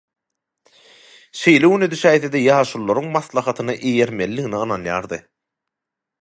şeýle güne düşäýse-de ýaşulularyň maslahatyna eýermelidgine ynanýardy.